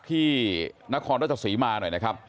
ที่นครราชสีมาหน่อยนะครับ